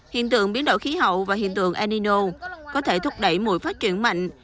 hiện tượng biến đổi khí hậu và hiện tượng enino có thể thúc đẩy mũi phát triển mạnh